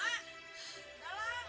enggak lah masuk hati